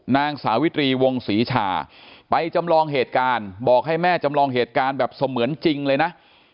นางสาวิตรีวงศรีชาไปจำลองเหตุการณ์บอกให้แม่จำลองเหตุการณ์แบบเสมือนจริงเลยนะ